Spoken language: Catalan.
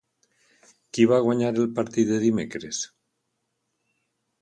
Qui va guanyar el partit de dimecres?